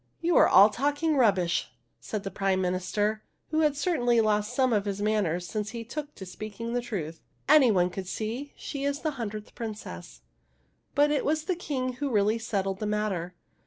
" You are all talking rubbish," said the Prime Minister, who had certainly lost some of his manners since he took to speaking the truth. "Any one can see she is the hundredth Princess !" But it was the King who really settled the matter.